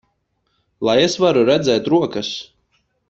Lai es varu redzēt rokas!